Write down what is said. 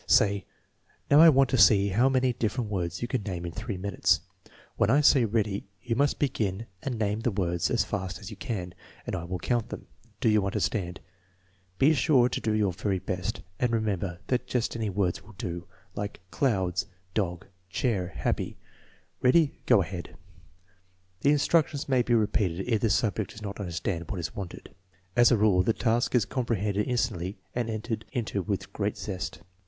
Say: "Now, I want to see how many different words you can name in three minutes. When I say ready, you must begin and name the words as fast as you can, and I will count them. Do you understand? Be sure to do your very best, and remember that just any words mil do, like ' clouds,' ' dog, 9 c chair, 9 ' happy ' Ready; go ahead! " The instructions may be repeated if the subject does not understand what is wanted. As a rule the task is com prehended instantly and entered into with great zest.